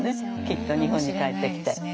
きっと日本に帰ってきて。